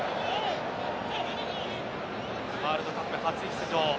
ワールドカップ初出場。